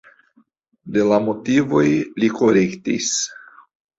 De la motivoj li korektis.